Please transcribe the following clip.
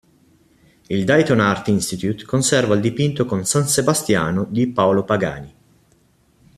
Il Dayton Art Institute conserva il dipinto con "San Sebastiano" di Paolo Pagani.